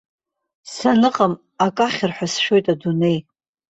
Саныҟам ак ахьыр ҳәа сшәоит адунеи.